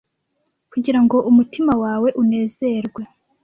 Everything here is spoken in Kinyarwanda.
kugira ngo umutima wawe unezerwe